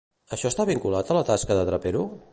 Això està vinculat amb la tasca de Trapero?